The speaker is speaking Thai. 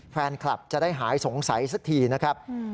แฟนคลับจะได้หายสงสัยสักทีนะครับ